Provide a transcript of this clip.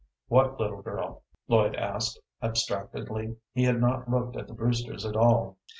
"What little girl?" Lloyd asked, abstractedly. He had not looked at the Brewsters at all.